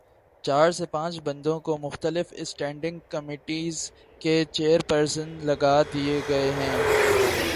چار سے پانچ بندوں کو مختلف اسٹینڈنگ کمیٹیز کے چیئر پرسن لگادیے گئے ہیں۔